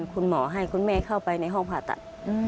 คุณหมอให้คุณแม่เข้าไปในห้องผ่าตัด